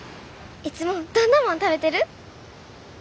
いつもどんなもの食べてる？